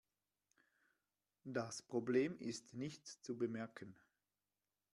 Das Problem ist nicht zu bemerken.